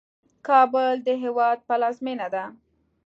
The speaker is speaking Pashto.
کابل د هیواد پلازمینه ده